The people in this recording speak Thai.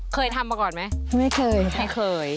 เคยทำมาก่อนไหมไม่เคยไม่เคย